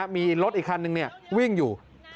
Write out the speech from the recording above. มีรถอีกคันนึงวิ่งอยู่